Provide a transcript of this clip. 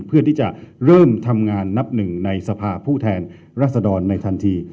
เพื่อที่จะเริ่มทำงานนับหนึ่งในสภาพผู้แทนรัศดรในทันที